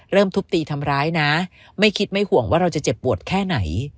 ทุบตีทำร้ายนะไม่คิดไม่ห่วงว่าเราจะเจ็บปวดแค่ไหน